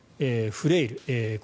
フレイル